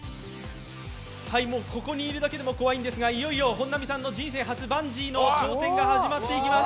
ここにいるだけでも怖いんですが、いよいよ本並さん人生初のバンジーの準備が待っています。